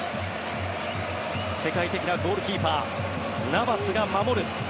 世界的なゴールキーパーナバスが守る